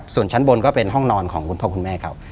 ส่วนชั้นบนก็เป็นห้องนอนของคุณพ่อคุณแม่เขา